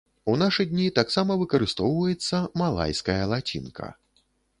У нашы дні таксама выкарыстоўваецца малайская лацінка.